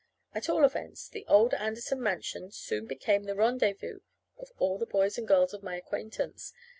At all events, the old Anderson mansion soon became the rendezvous of all the boys and girls of my acquaintance.